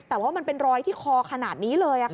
แต่ว่ามันเป็นรอยที่คอขนาดนี้เลย